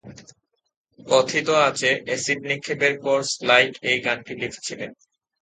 কথিত আছে, এসিড নিক্ষেপের পর স্লাইক এই গানটি লিখেছিলেন।